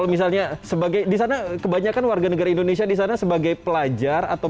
atau misalnya sebagai disana kebanyakan warga negara indonesia disana sebagai pelajar atau